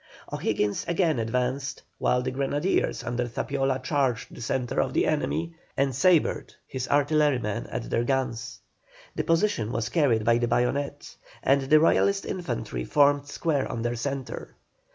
O'Higgins again advanced, while the grenadiers under Zapiola charged the centre of the enemy, and sabred his artillerymen at their guns. The position was carried by the bayonet, and the Royalist infantry formed square on their centre.